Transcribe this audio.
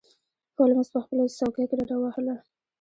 هولمز په خپله څوکۍ کې ډډه ووهله.